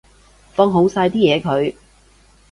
放好晒啲嘢佢